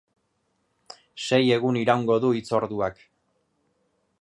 Sei egun iraungo du hitzorduak.